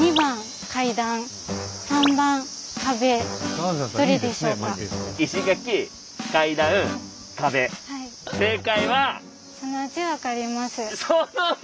どれでしょうか？